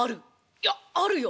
いやあるよ。